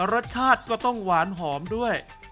รสชาติก็ต้องหวานหอมด้วย